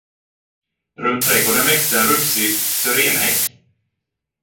Runt trädgården växte en rufsig syrénhäck.